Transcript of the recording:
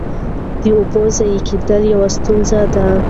د اوبو ضایع کېدل یوه ستونزه ده.